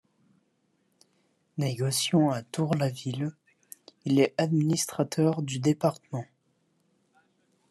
Négociant à Tour-la-Ville, il est administrateur du département.